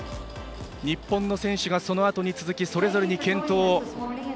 日本の選手がそのあとに続きそれぞれに健闘。